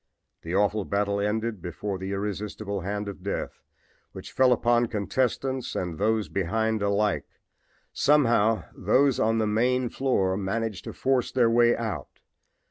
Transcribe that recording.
The awful battle ended before the irresistible hand of death, which fell upon contestants and those behind alike. Somehow those on the main floor managed to force their way out.